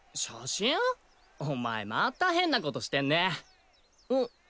お前また変なことしてんねん？